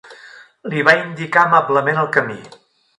Li va indicar amablement el camí.